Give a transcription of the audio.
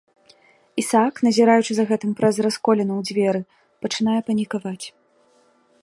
Ісаак, назіраючы за гэтым праз расколіну ў дзверы, пачынае панікаваць.